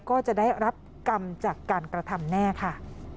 ก็จะได้รับกรรมจากการกระทำแน่ค่ะ